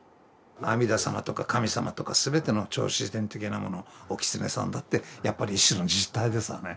阿弥陀様とか神様とかすべての超自然的なものをお狐さんだってやっぱり一種の実体ですわね。